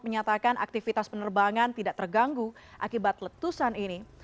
menyatakan aktivitas penerbangan tidak terganggu akibat letusan ini